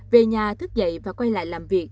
về nhà thức dậy và quay lại làm việc